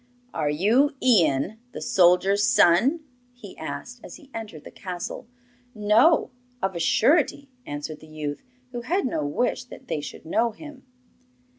'Are you Ian, the soldier's son?' he asked, as he entered the castle. 'No, of a surety,' answered the youth, who had no wish that they should know him.